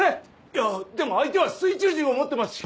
いやでも相手は水中銃を持ってますし。